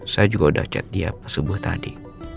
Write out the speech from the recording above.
saya juga udah chat dia pesubuh tadi